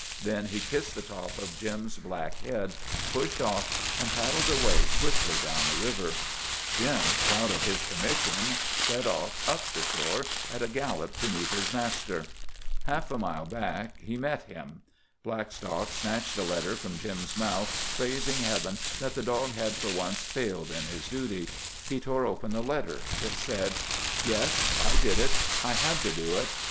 Then he kissed the top of Jim's black head, pushed off, and paddled away swiftly down river. Jim, proud of his commission, set off up the shore at a gallop to meet his master. Half a mile back he met him. Blackstock snatched the letter from Jim's mouth, praising Heaven that the dog had for once failed in his duty. He tore open the letter. It said: Yes, I did it. I had to do it.